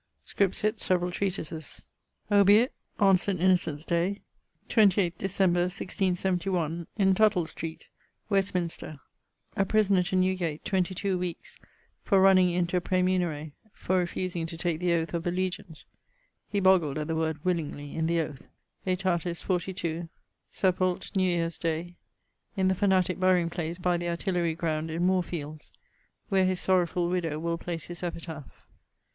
Scripsit severall treatises. Obiit on St. Innocents day, 28 Dec., 1671, in Tuttle street, Westminster, a prisoner to Newgate 22 weekes for running into a praemunire for refusing to take the oath of allegiance (he boggled at the word 'willingly' in the oath): aetatis 42. Sepult., Newyeares day, in the fanatique burying place by the Artillery ground in Moorfields, where his sorrowfull widdowe will place his epitaph.